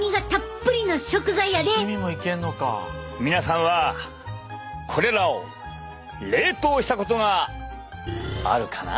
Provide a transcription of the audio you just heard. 皆さんはこれらを冷凍したことがあるかな？